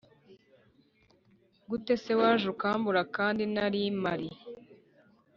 gute se waje ukambura kandi nari mari?